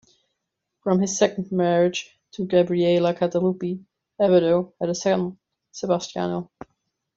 From his second marriage, to Gabriella Cantalupi, Abbado had a son, Sebastiano.